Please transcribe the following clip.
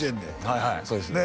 はいはいそうですね